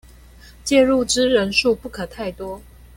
介入之人數不可太多